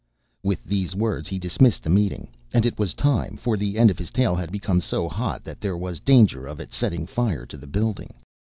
With these words he dismissed the meeting, and it was time, for the end of his tail had become so hot that there was danger of its setting fire to the building.